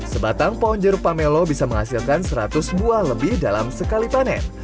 sebatang pohon jeruk pamelo bisa menghasilkan seratus buah lebih dalam sekali panen